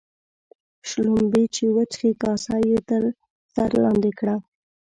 شلومبې چې وچښې ، کاسه يې تر سر لاندي کړه.